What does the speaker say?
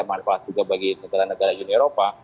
manfaat juga bagi negara negara uni eropa